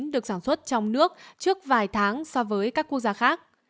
được sản xuất trong nước trước vài tháng so với các quốc gia khác